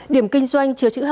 điểm kinh doanh chừa chữ hàng hóa